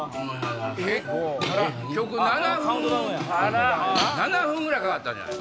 結局７分ぐらいかかったんじゃないかな。